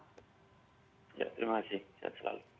terima kasih sehat selalu